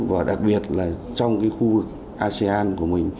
và đặc biệt là trong cái khu vực asean của mình